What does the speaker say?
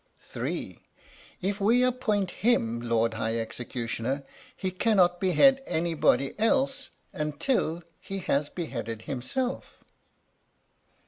(3). If we appoint him Lord High Executioner he cannot behead anybody else until he has beheaded himself.